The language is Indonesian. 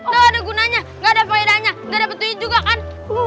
gak ada gunanya gak ada pahidanya gak ada bentunya juga kan